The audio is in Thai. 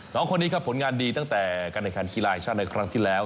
น้องคนนี้ครับผลงานดีตั้งแต่การแข่งขันกีฬาแห่งชาติในครั้งที่แล้ว